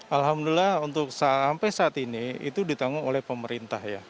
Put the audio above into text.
alhamdulillah untuk sampai saat ini itu ditanggung oleh pemerintah ya